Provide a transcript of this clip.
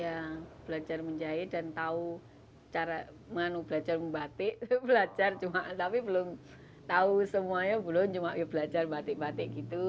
ya belajar menjahit dan tahu cara menu belajar membatik belajar tapi belum tahu semuanya belum cuma belajar batik batik gitu